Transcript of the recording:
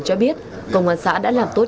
cho biết công an xã đã làm tốt